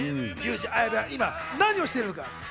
ユウジ・アヤベは今、何をしているのか？